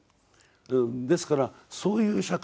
ですからそういう社会。